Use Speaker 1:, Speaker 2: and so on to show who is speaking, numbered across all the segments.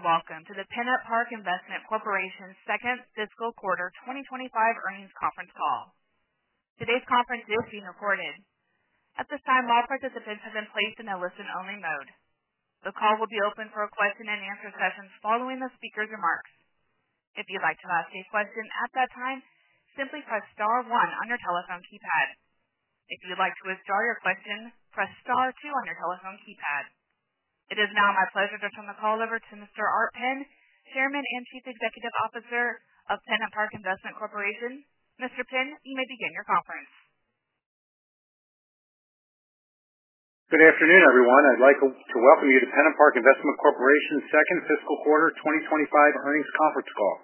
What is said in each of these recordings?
Speaker 1: Welcome to the PennantPark Investment Corporation's Second Fiscal Quarter 2025 earnings Conference Call. Today's conference is being recorded. At this time, all participants have been placed in a listen-only mode. The call will be open for question-and-answer sessions following the speaker's remarks. If you'd like to ask a question at that time, simply press star one on your telephone keypad. If you'd like to withdraw your question, press star two on your telephone keypad. It is now my pleasure to turn the call over to Mr. Art Penn, Chairman and Chief Executive Officer of PennantPark Investment Corporation. Mr. Penn, you may begin your conference.
Speaker 2: Good afternoon, everyone. I'd like to welcome you to PennantPark Investment Corporation's second fiscal quarter 2025 earnings conference call.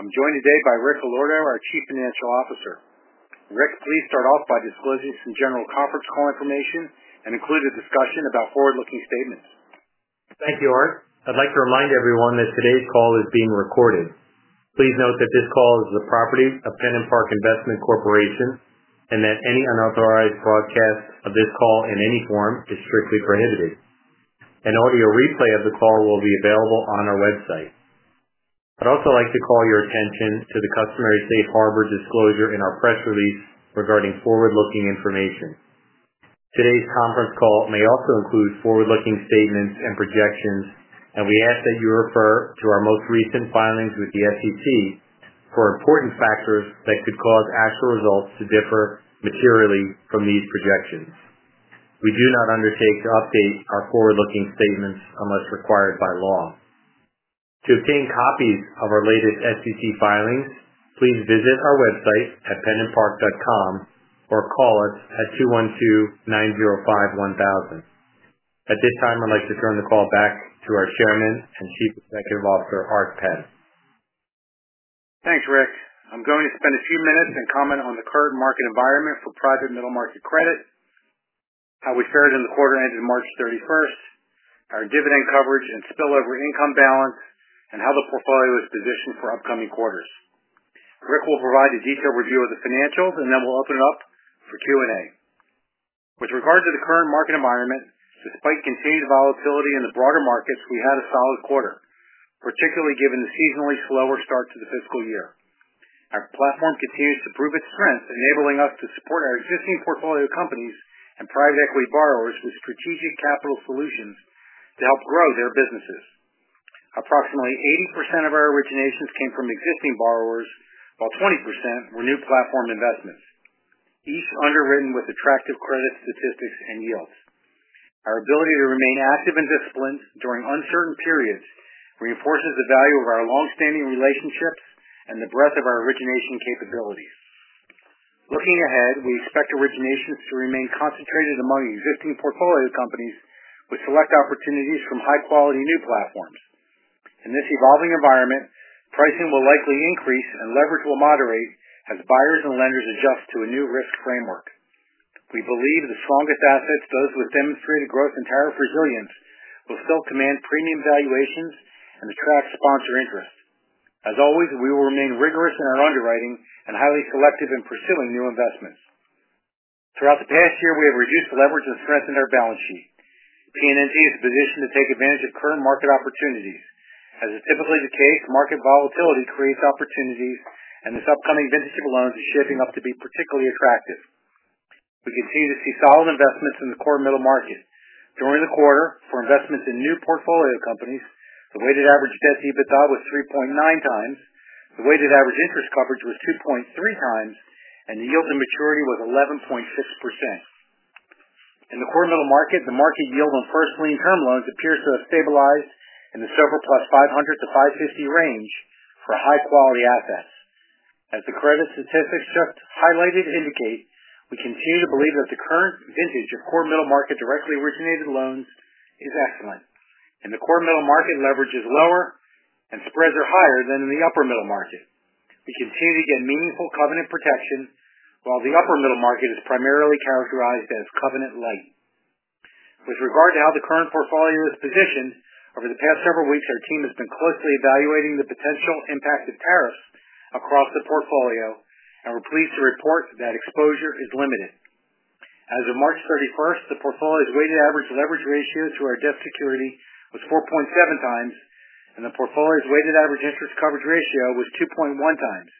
Speaker 2: I'm joined today by Rick Allorto, our Chief Financial Officer. Rick, please start off by disclosing some general conference call information and include a discussion about forward-looking statements.
Speaker 3: Thank you, Art. I'd like to remind everyone that today's call is being recorded. Please note that this call is the property of PennantPark Investment Corporation and that any unauthorized broadcast of this call in any form is strictly prohibited. An audio replay of the call will be available on our website. I'd also like to call your attention to the customer safe harbor disclosure in our press release regarding forward-looking information. Today's conference call may also include forward-looking statements and projections, and we ask that you refer to our most recent filings with the SEC for important factors that could cause actual results to differ materially from these projections. We do not undertake to update our forward-looking statements unless required by law. To obtain copies of our latest SEC filings, please visit our website at pennantpark.com or call us at 212-905-1000. At this time, I'd like to turn the call back to our Chairman and Chief Executive Officer, Art Penn.
Speaker 2: Thanks, Rick. I'm going to spend a few minutes and comment on the current market environment for private middle market credit, how we fared in the quarter ended March 31, our dividend coverage and spillover income balance, and how the portfolio is positioned for upcoming quarters. Rick will provide a detailed review of the financials, and then we'll open it up for Q&A. With regard to the current market environment, despite continued volatility in the broader markets, we had a solid quarter, particularly given the seasonally slower start to the fiscal year. Our platform continues to prove its strength, enabling us to support our existing portfolio companies and private equity borrowers with strategic capital solutions to help grow their businesses. Approximately 80% of our originations came from existing borrowers, while 20% were new platform investments, each underwritten with attractive credit statistics and yields. Our ability to remain active and disciplined during uncertain periods reinforces the value of our long-standing relationships and the breadth of our origination capabilities. Looking ahead, we expect originations to remain concentrated among existing portfolio companies with select opportunities from high-quality new platforms. In this evolving environment, pricing will likely increase and leverage will moderate as buyers and lenders adjust to a new risk framework. We believe the strongest assets, those with demonstrated growth and tariff resilience, will still command premium valuations and attract sponsor interest. As always, we will remain rigorous in our underwriting and highly selective in pursuing new investments. Throughout the past year, we have reduced leverage and strengthened our balance sheet. PNNT is positioned to take advantage of current market opportunities. As is typically the case, market volatility creates opportunities, and this upcoming vintage of loans is shaping up to be particularly attractive. We continue to see solid investments in the core middle market. During the quarter, for investments in new portfolio companies, the weighted average debt to EBITDA was 3.9 times, the weighted average interest coverage was 2.3 times, and the yield to maturity was 11.6%. In the core middle market, the market yield on first lien term loans appears to have stabilized in the SOFR plus 500-550 range for high-quality assets. As the credit statistics just highlighted indicate, we continue to believe that the current vintage of core middle market directly originated loans is excellent, and the core middle market leverage is lower and spreads are higher than in the upper middle market. We continue to get meaningful covenant protection, while the upper middle market is primarily characterized as covenant light. With regard to how the current portfolio is positioned, over the past several weeks, our team has been closely evaluating the potential impact of tariffs across the portfolio, and we're pleased to report that exposure is limited. As of March 31, the portfolio's weighted average leverage ratio to our debt security was 4.7 times, and the portfolio's weighted average interest coverage ratio was 2.1 times.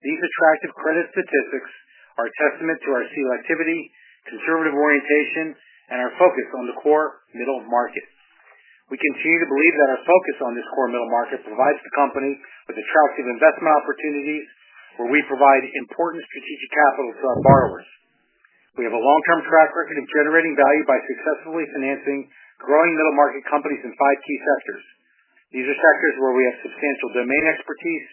Speaker 2: These attractive credit statistics are a testament to our selectivity, conservative orientation, and our focus on the core middle market. We continue to believe that our focus on this core middle market provides the company with attractive investment opportunities where we provide important strategic capital to our borrowers. We have a long-term track record of generating value by successfully financing growing middle market companies in five key sectors. These are sectors where we have substantial domain expertise,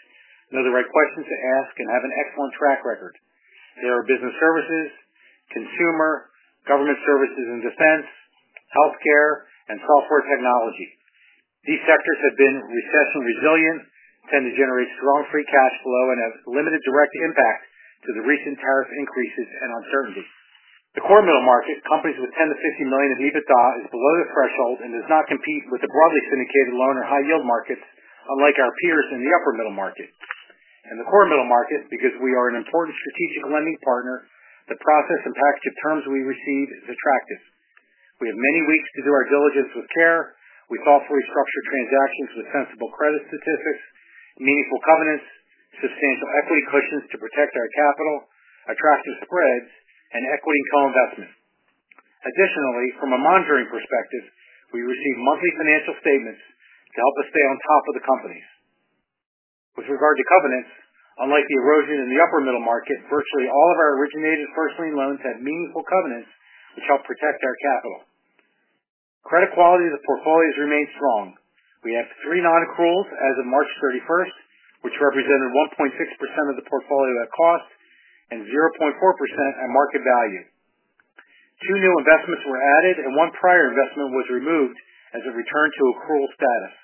Speaker 2: know the right questions to ask, and have an excellent track record. They are business services, consumer, government services and defense, healthcare, and software technology. These sectors have been recession resilient, tend to generate strong free cash flow, and have limited direct impact to the recent tariff increases and uncertainty. The core middle market, companies with $10 million-$50 million of EBITDA, is below the threshold and does not compete with the broadly syndicated loan or high-yield markets, unlike our peers in the upper middle market. In the core middle market, because we are an important strategic lending partner, the process and package of terms we receive is attractive. We have many weeks to do our diligence with care, with thoughtfully structured transactions with sensible credit statistics, meaningful covenants, substantial equity cushions to protect our capital, attractive spreads, and equity and co-investment. Additionally, from a monitoring perspective, we receive monthly financial statements to help us stay on top of the companies. With regard to covenants, unlike the erosion in the upper middle market, virtually all of our originated first lien loans had meaningful covenants which help protect our capital. Credit quality of the portfolios remained strong. We had three non-accruals as of March 31, which represented 1.6% of the portfolio at cost and 0.4% at market value. Two new investments were added, and one prior investment was removed as it returned to accrual status.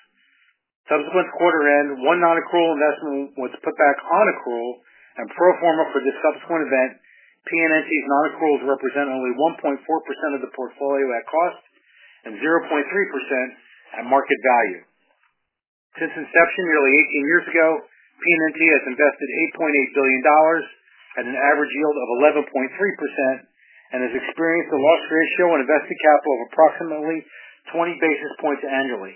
Speaker 2: Subsequent quarter end, one non-accrual investment was put back on accrual, and pro forma for this subsequent event, PNNT's non-accruals represent only 1.4% of the portfolio at cost and 0.3% at market value. Since inception nearly 18 years ago, PNNT has invested $8.8 billion at an average yield of 11.3% and has experienced a loss ratio on invested capital of approximately 20 basis points annually.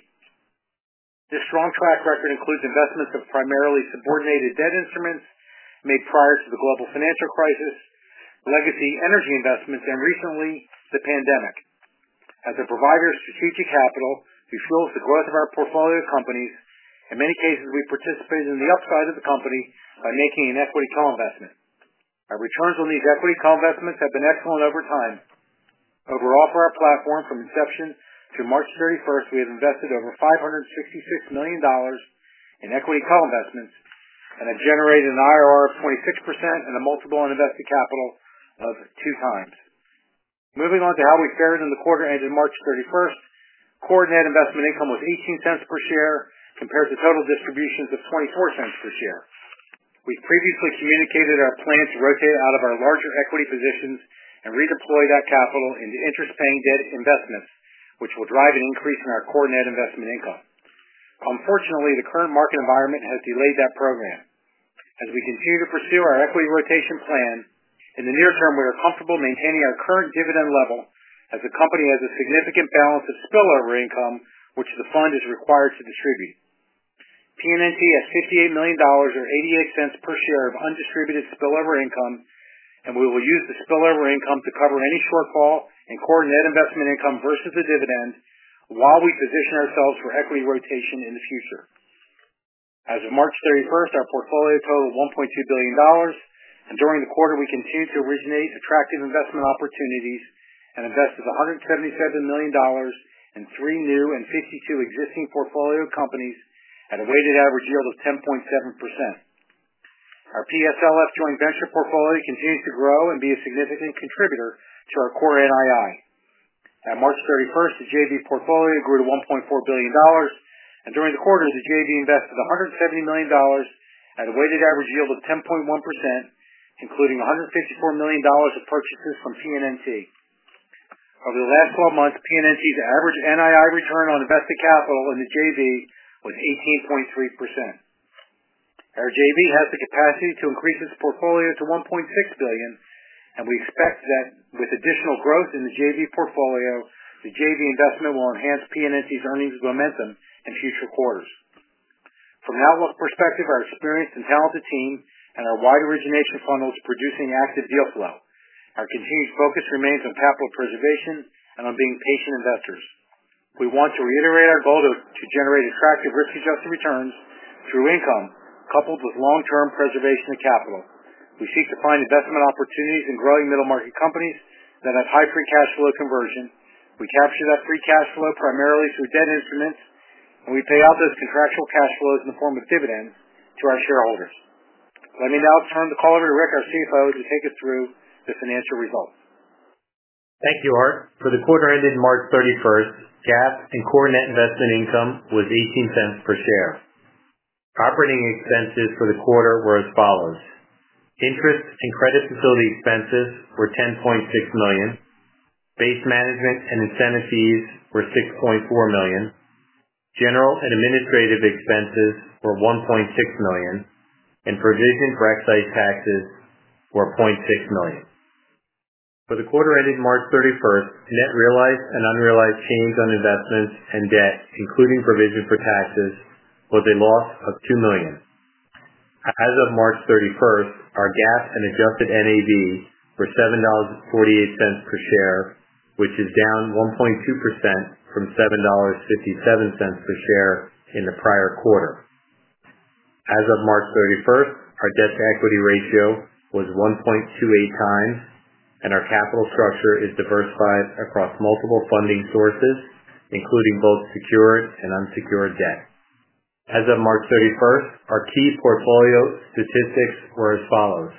Speaker 2: This strong track record includes investments of primarily subordinated debt instruments made prior to the global financial crisis, legacy energy investments, and recently the pandemic. As a provider of strategic capital, we fuel the growth of our portfolio companies. In many cases, we participated in the upside of the company by making an equity co-investment. Our returns on these equity co-investments have been excellent over time. Overall, for our platform from inception to March 31, we have invested over $566 million in equity co-investments and have generated an IRR of 26% and a multiple on invested capital of two times. Moving on to how we fared in the quarter ended March 31, core net investment income was $0.18 per share compared to total distributions of $0.24 per share. We previously communicated our plan to rotate out of our larger equity positions and redeploy that capital into interest-paying debt investments, which will drive an increase in our core net investment income. Unfortunately, the current market environment has delayed that program. As we continue to pursue our equity rotation plan, in the near term, we are comfortable maintaining our current dividend level as the company has a significant balance of spillover income, which the fund is required to distribute. PNNT has $58 million or $0.88 per share of undistributed spillover income, and we will use the spillover income to cover any shortfall in core net investment income versus the dividend while we position ourselves for equity rotation in the future. As of March 31, our portfolio totaled $1.2 billion, and during the quarter, we continued to originate attractive investment opportunities and invested $177 million in three new and 52 existing portfolio companies at a weighted average yield of 10.7%. Our PSLF joint venture portfolio continues to grow and be a significant contributor to our core NII. At March 31, the JV portfolio grew to $1.4 billion, and during the quarter, the JV invested $170 million at a weighted average yield of 10.1%, including $154 million of purchases from PNNT. Over the last 12 months, PNNT's average NII return on invested capital in the JV was 18.3%. Our JV has the capacity to increase its portfolio to $1.6 billion, and we expect that with additional growth in the JV portfolio, the JV investment will enhance PNNT's earnings momentum in future quarters. From an outlook perspective, our experienced and talented team and our wide origination funnel is producing active deal flow. Our continued focus remains on capital preservation and on being patient investors. We want to reiterate our goal to generate attractive risk-adjusted returns through income coupled with long-term preservation of capital. We seek to find investment opportunities in growing middle market companies that have high free cash flow conversion. We capture that free cash flow primarily through debt instruments, and we pay out those contractual cash flows in the form of dividends to our shareholders. Let me now turn the call over to Rick, our CFO, to take us through the financial results.
Speaker 3: Thank you, Art. For the quarter ended March 31, GAAP and core net investment income was $0.18 per share. Operating expenses for the quarter were as follows. Interest and credit facility expenses were $10.6 million. Base management and incentive fees were $6.4 million. General and administrative expenses were $1.6 million, and provision for excise taxes were $0.6 million. For the quarter ended March 31, net realized and unrealized change on investments and debt, including provision for taxes, was a loss of $2 million. As of March 31, our GAAP and adjusted NAV were $7.48 per share, which is down 1.2% from $7.57 per share in the prior quarter. As of March 31, our debt to equity ratio was 1.28 times, and our capital structure is diversified across multiple funding sources, including both secured and unsecured debt. As of March 31, our key portfolio statistics were as follows.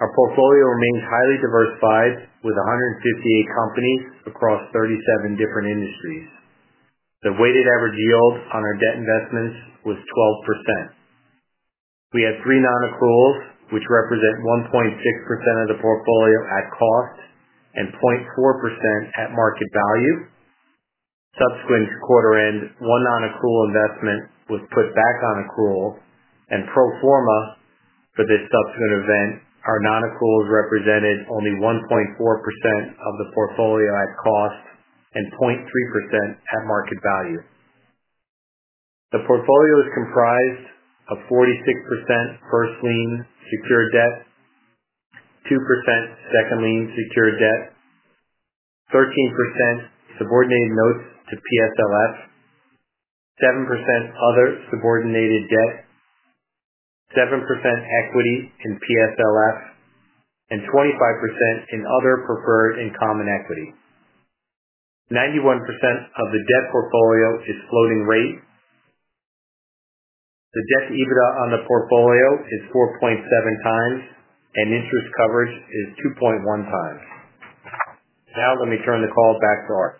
Speaker 3: Our portfolio remains highly diversified with 158 companies across 37 different industries. The weighted average yield on our debt investments was 12%. We had three non-accruals, which represent 1.6% of the portfolio at cost and 0.4% at market value. Subsequent quarter end, one non-accrual investment was put back on accrual, and pro forma for this subsequent event, our non-accruals represented only 1.4% of the portfolio at cost and 0.3% at market value. The portfolio is comprised of 46% first lien secured debt, 2% second lien secured debt, 13% subordinated notes to PSLF, 7% other subordinated debt, 7% equity in PSLF, and 25% in other preferred and common equity. 91% of the debt portfolio is floating rate. The debt to EBITDA on the portfolio is 4.7 times, and interest coverage is 2.1 times. Now, let me turn the call back to Art.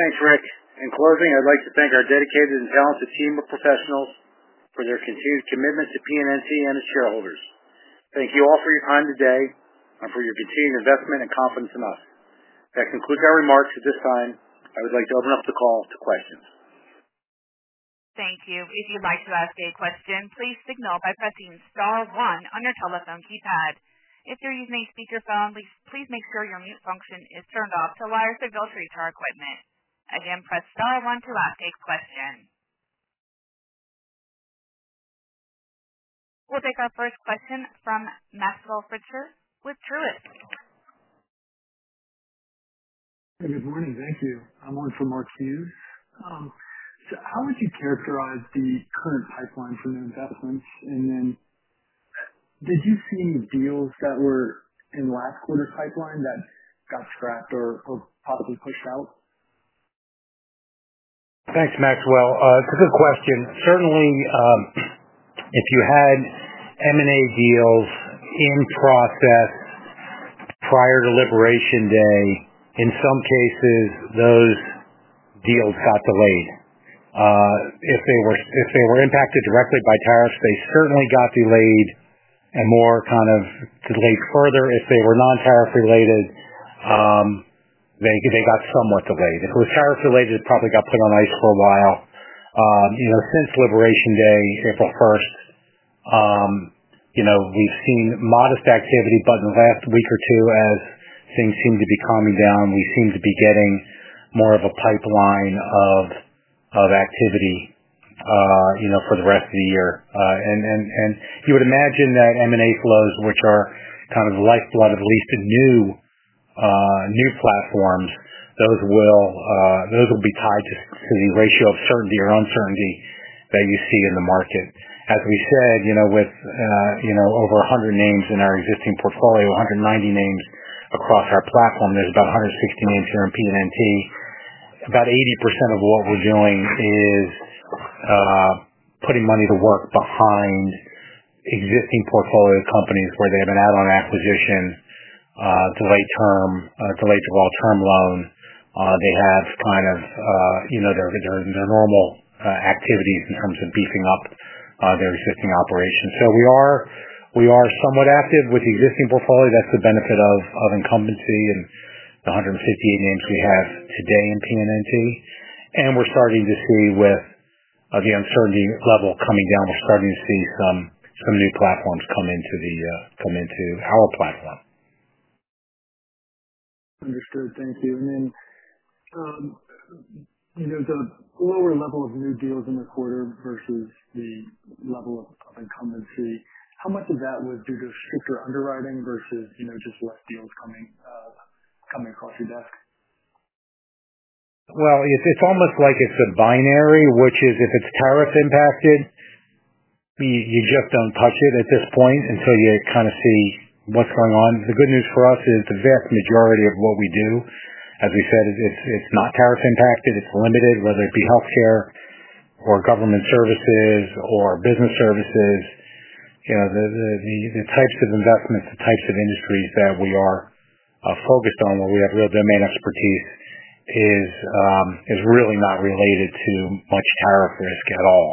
Speaker 2: Thanks, Rick. In closing, I'd like to thank our dedicated and talented team of professionals for their continued commitment to PNNT and its shareholders. Thank you all for your time today and for your continued investment and confidence in us. That concludes our remarks. At this time, I would like to open up the call to questions.
Speaker 1: Thank you. If you'd like to ask a question, please signal by pressing Star 1 on your telephone keypad. If you're using a speakerphone, please make sure your mute function is turned off to allow your signal to reach our equipment. Again, press Star 1 to ask a question. We'll take our first question from Maxwell Fritzer with Truist.
Speaker 4: Good morning. Thank you. I'm on for Mark Fews. How would you characterize the current pipeline for new investments? Did you see any deals that were in last quarter's pipeline that got scrapped or possibly pushed out?
Speaker 2: Thanks, Maxwell. It's a good question. Certainly, if you had M&A deals in process prior to liberation day, in some cases, those deals got delayed. If they were impacted directly by tariffs, they certainly got delayed and more kind of delayed further. If they were non-tariff related, they got somewhat delayed. If it was tariff related, it probably got put on ice for a while. Since liberation day, April 1, we've seen modest activity, but in the last week or two, as things seem to be calming down, we seem to be getting more of a pipeline of activity for the rest of the year. You would imagine that M&A flows, which are kind of the lifeblood of at least new platforms, those will be tied to the ratio of certainty or uncertainty that you see in the market. As we said, with over 100 names in our existing portfolio, 190 names across our platform, there's about 160 names here in PNNT. About 80% of what we're doing is putting money to work behind existing portfolio companies where they have an add-on acquisition, delayed-draw term loan. They have kind of their normal activities in terms of beefing up their existing operations. We are somewhat active with existing portfolio. That's the benefit of incumbency and the 158 names we have today in PNNT. We're starting to see, with the uncertainty level coming down, we're starting to see some new platforms come into our platform.
Speaker 4: Understood. Thank you. Then the lower level of new deals in the quarter versus the level of incumbency, how much of that was due to stricter underwriting versus just less deals coming across your desk?
Speaker 2: It's almost like it's a binary, which is if it's tariff impacted, you just don't touch it at this point until you kind of see what's going on. The good news for us is the vast majority of what we do, as we said, it's not tariff impacted. It's limited, whether it be healthcare or government services or business services. The types of investments, the types of industries that we are focused on, where we have real domain expertise, is really not related to much tariff risk at all.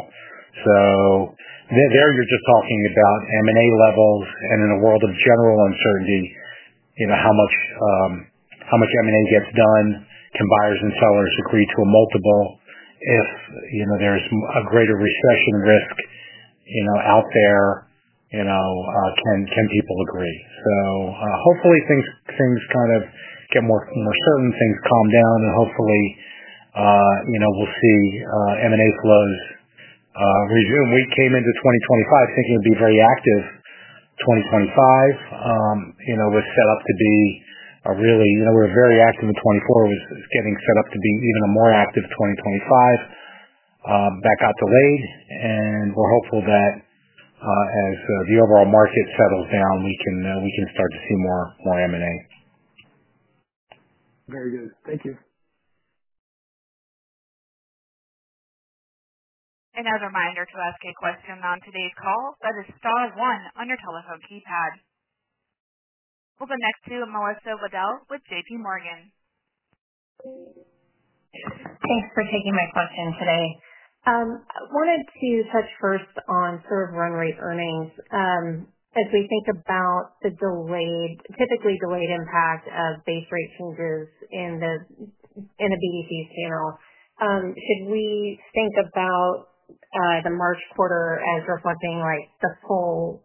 Speaker 2: There, you're just talking about M&A levels. In a world of general uncertainty, how much M&A gets done, can buyers and sellers agree to a multiple? If there's a greater recession risk out there, can people agree? Hopefully, things kind of get more certain, things calm down, and hopefully, we'll see M&A flows resume. We came into 2025 thinking it would be very active. 2025 was set up to be a really—we were very active in 2024. It was getting set up to be even a more active 2025. That got delayed, and we're hopeful that as the overall market settles down, we can start to see more M&A.
Speaker 4: Very good. Thank you.
Speaker 1: Another reminder to ask a question on today's call. That is Star 1 on your telephone keypad. We'll go next to Melissa Waddell with JPMorgan.
Speaker 5: Thanks for taking my question today. I wanted to touch first on sort of run rate earnings. As we think about the typically delayed impact of base rate changes in the BDCs panel, should we think about the March quarter as reflecting the full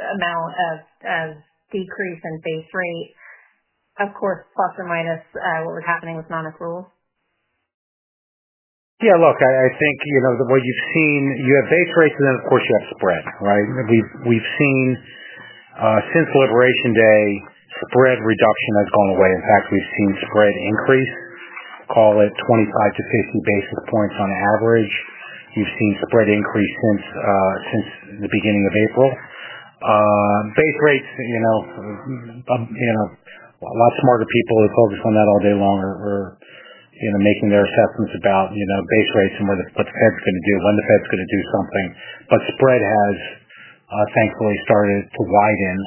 Speaker 5: amount of decrease in base rate, of course, plus or minus what was happening with non-accrual?
Speaker 2: Yeah. Look, I think the way you've seen—you have base rates, and then, of course, you have spread, right? We've seen, since liberation day, spread reduction has gone away. In fact, we've seen spread increase, call it 25-50 basis points on average. You've seen spread increase since the beginning of April. Base rates, a lot smarter people who focus on that all day long are making their assessments about base rates and what the Fed's going to do, when the Fed's going to do something. But spread has, thankfully, started to widen.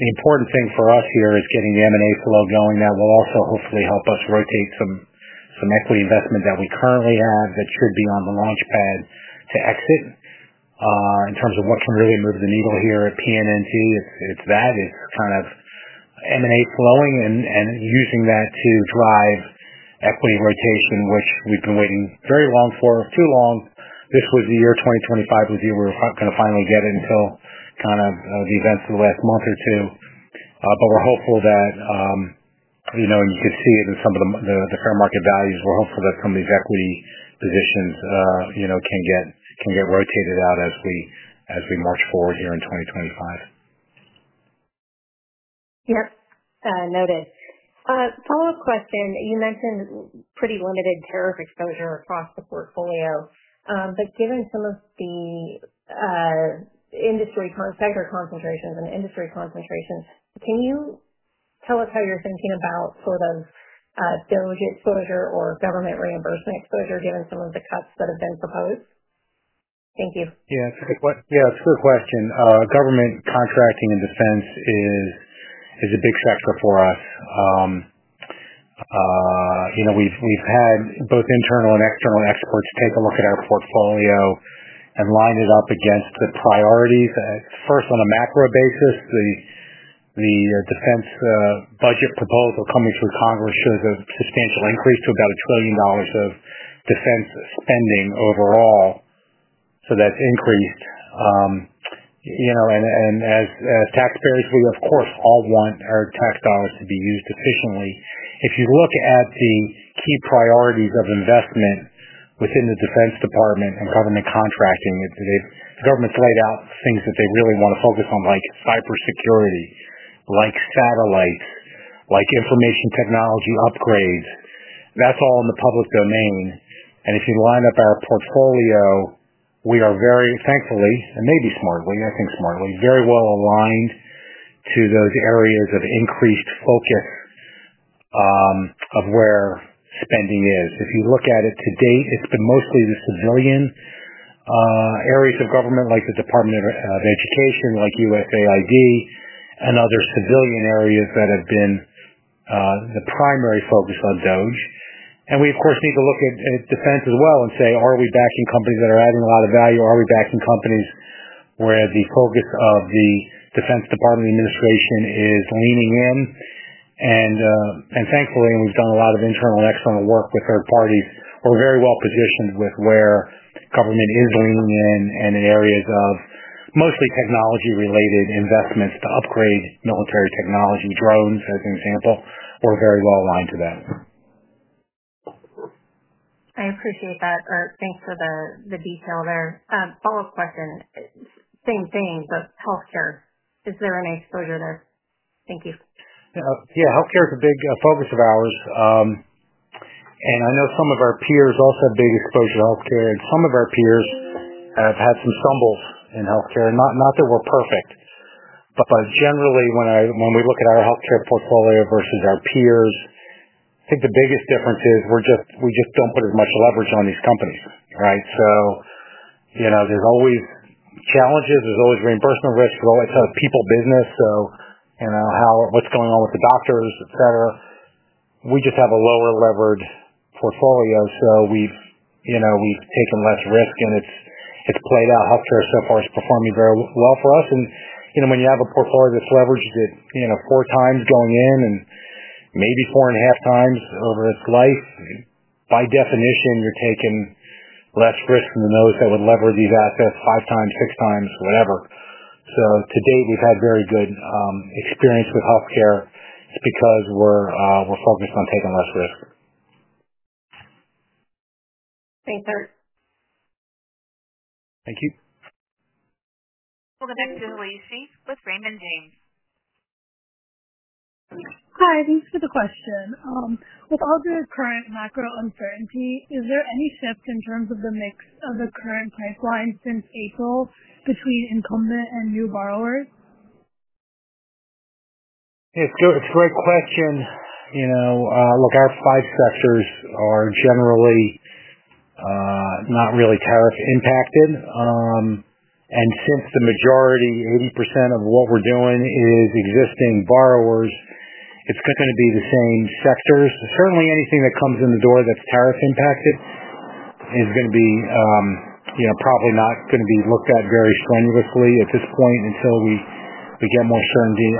Speaker 2: The important thing for us here is getting the M&A flow going. That will also hopefully help us rotate some equity investment that we currently have that should be on the launchpad to exit. In terms of what can really move the needle here at PNNT, it's that. It's kind of M&A flowing and using that to drive equity rotation, which we've been waiting very long for, too long. This was the year 2025 was the year we were going to finally get it until the events of the last month or two. We're hopeful that—you could see it in some of the fair market values—we're hopeful that some of these equity positions can get rotated out as we march forward here in 2025.
Speaker 5: Yep. Noted. Follow-up question. You mentioned pretty limited tariff exposure across the portfolio. Given some of the industry sector concentrations and industry concentrations, can you tell us how you're thinking about sort of bilge exposure or government reimbursement exposure given some of the cuts that have been proposed? Thank you.
Speaker 2: Yeah. It's a good question. Government contracting and defense is a big sector for us. We've had both internal and external experts take a look at our portfolio and line it up against the priorities. First, on a macro basis, the defense budget proposal coming through Congress shows a substantial increase to about $1 trillion of defense spending overall. So that's increased. And as taxpayers, we, of course, all want our tax dollars to be used efficiently. If you look at the key priorities of investment within the Defense Department and government contracting, the government's laid out things that they really want to focus on, like cybersecurity, like satellites, like information technology upgrades. That's all in the public domain. If you line up our portfolio, we are very—thankfully, and maybe smartly, I think smartly—very well aligned to those areas of increased focus of where spending is. If you look at it to date, it's been mostly the civilian areas of government, like the Department of Education, like USAID, and other civilian areas that have been the primary focus on doge. We, of course, need to look at defense as well and say, "Are we backing companies that are adding a lot of value? Are we backing companies where the focus of the Defense Department administration is leaning in?" Thankfully, and we've done a lot of internal and external work with third parties, we're very well positioned with where government is leaning in and in areas of mostly technology-related investments to upgrade military technology, drones, as an example, we're very well aligned to that.
Speaker 5: I appreciate that, Art. Thanks for the detail there. Follow-up question. Same thing, but healthcare. Is there any exposure there? Thank you.
Speaker 2: Yeah. Healthcare is a big focus of ours. I know some of our peers also have big exposure to healthcare. Some of our peers have had some stumbles in healthcare. Not that we're perfect, but generally, when we look at our healthcare portfolio versus our peers, I think the biggest difference is we just don't put as much leverage on these companies, right? There's always challenges. There's always reimbursement risk. We're always a people business. What's going on with the doctors, etc.? We just have a lower-levered portfolio. We've taken less risk, and it's played out. Healthcare so far is performing very well for us. When you have a portfolio that's leveraged at four times going in and maybe four and a half times over its life, by definition, you're taking less risk than those that would lever these assets five times, six times, whatever. To date, we've had very good experience with healthcare because we're focused on taking less risk.
Speaker 5: Thanks, Art.
Speaker 2: Thank you.
Speaker 1: We'll go back to Alicia with Raymond James. Hi. Thanks for the question. With all the current macro uncertainty, is there any shift in terms of the mix of the current pipeline since April between incumbent and new borrowers?
Speaker 2: It's a great question. Look, our five sectors are generally not really tariff impacted. Since the majority, 80% of what we're doing is existing borrowers, it's going to be the same sectors. Certainly, anything that comes in the door that's tariff impacted is probably not going to be looked at very strenuously at this point until we get more certainty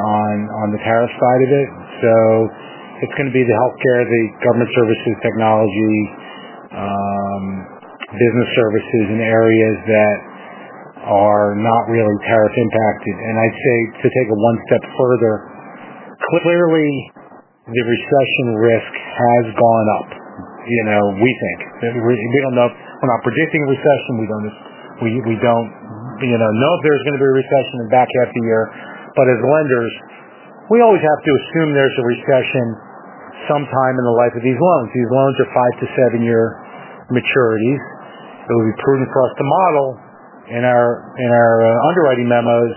Speaker 2: on the tariff side of it. It's going to be the healthcare, the government services, technology, business services in areas that are not really tariff impacted. I'd say to take it one step further, clearly, the recession risk has gone up, we think. We're not predicting a recession. We don't know if there's going to be a recession back after a year. As lenders, we always have to assume there's a recession sometime in the life of these loans. These loans are five to seven-year maturities. It would be prudent for us to model in our underwriting memos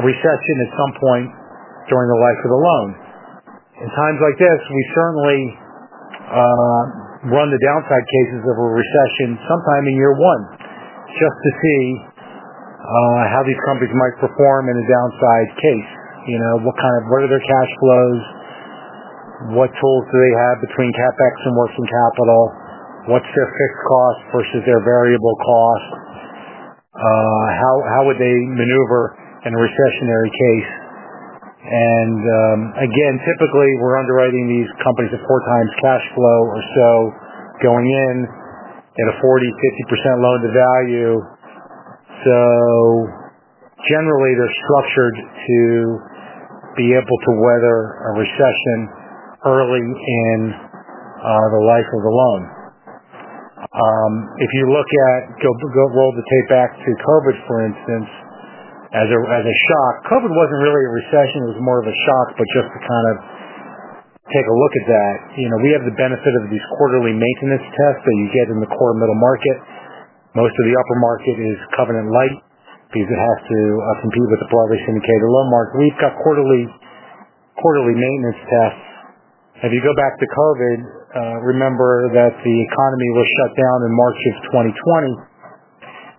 Speaker 2: a recession at some point during the life of the loan. In times like this, we certainly run the downside cases of a recession sometime in year one just to see how these companies might perform in a downside case. What are their cash flows? What tools do they have between CapEx and working capital? What is their fixed cost versus their variable cost? How would they maneuver in a recessionary case? Typically, we are underwriting these companies at four times cash flow or so going in at a 40-50% loan to value. Generally, they are structured to be able to weather a recession early in the life of the loan. If you look at, roll the tape back to COVID, for instance, as a shock. COVID was not really a recession. It was more of a shock, but just to kind of take a look at that. We have the benefit of these quarterly maintenance tests that you get in the core middle market. Most of the upper market is covenant light because it has to compete with the broadly syndicated loan market. We have quarterly maintenance tests. If you go back to COVID, remember that the economy was shut down in March of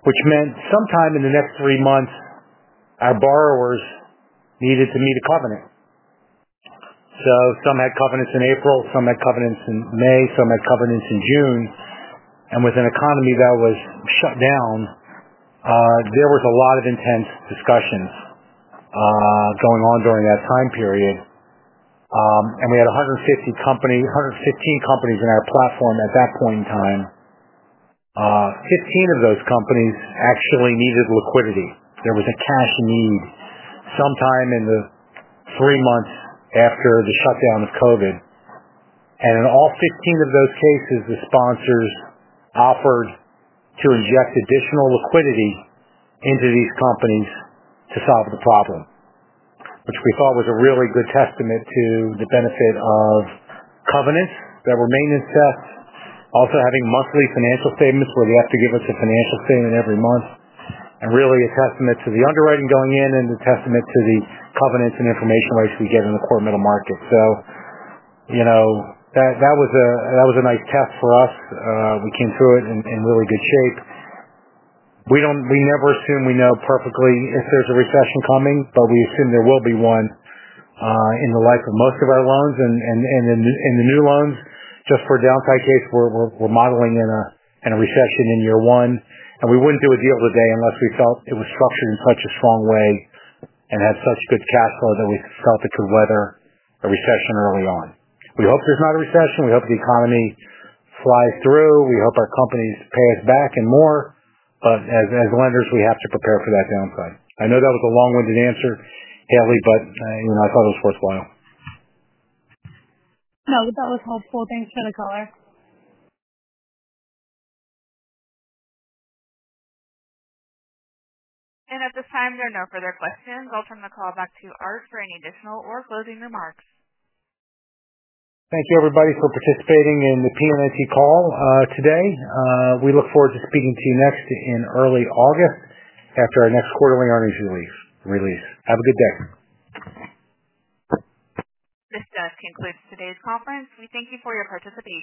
Speaker 2: 2020, which meant sometime in the next three months, our borrowers needed to meet a covenant. Some had covenants in April, some had covenants in May, some had covenants in June. With an economy that was shut down, there was a lot of intense discussions going on during that time period. We had 115 companies in our platform at that point in time. 15 of those companies actually needed liquidity. There was a cash need sometime in the three months after the shutdown of COVID. In all 15 of those cases, the sponsors offered to inject additional liquidity into these companies to solve the problem, which we thought was a really good testament to the benefit of covenants that were maintenance tests, also having monthly financial statements where they have to give us a financial statement every month, and really a testament to the underwriting going in and a testament to the covenants and information rights we get in the core middle market. That was a nice test for us. We came through it in really good shape. We never assume we know perfectly if there is a recession coming, but we assume there will be one in the life of most of our loans. In the new loans, just for a downside case, we're modeling in a recession in year one. We wouldn't do a deal today unless we felt it was structured in such a strong way and had such good cash flow that we felt it could weather a recession early on. We hope there's not a recession. We hope the economy flies through. We hope our companies pay us back and more. As lenders, we have to prepare for that downside. I know that was a long-winded answer, Haley, but I thought it was worthwhile. No, that was helpful. Thanks for the color.
Speaker 1: At this time, there are no further questions. I'll turn the call back to Art for any additional or closing remarks.
Speaker 2: Thank you, everybody, for participating in the PNNT call today. We look forward to speaking to you next in early August after our next quarterly earnings release. Have a good day.
Speaker 1: This concludes today's conference. We thank you for your participation.